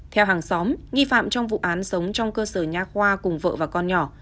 theo hàng xóm nghi phạm trong vụ án sống trong cơ sở nhà khoa cùng vợ và con nhỏ